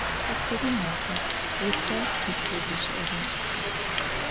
Сыд фэдэ мафа усэр къызтегущыӏэрэр?